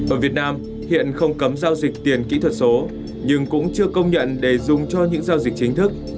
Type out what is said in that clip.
ở việt nam hiện không cấm giao dịch tiền kỹ thuật số nhưng cũng chưa công nhận để dùng cho những giao dịch chính thức